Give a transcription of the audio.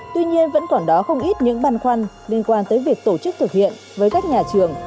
tuy nhiên vẫn còn đó không ít những băn khoăn liên quan tới việc tổ chức thực hiện với các nhà trường